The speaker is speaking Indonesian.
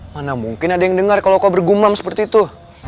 mana mungkin ada yang dengar kalau kau bergumam seperti itu